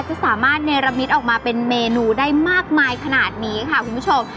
จะสามารถเนรมิตออกมาเป็นเมนูได้มากมายขนาดนี้ค่ะคุณผู้ชม